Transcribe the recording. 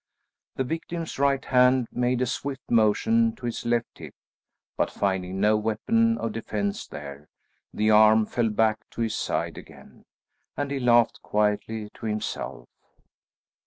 The victim's right hand made a swift motion to his left hip, but finding no weapon of defence there, the arm fell back to his side again, and he laughed quietly to himself.